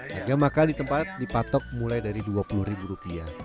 harga maka di tempat dipatok mulai dari dua puluh ribu rupiah